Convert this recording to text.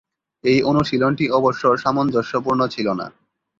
এই অনুশীলনটি অবশ্য সামঞ্জস্যপূর্ণ ছিল না।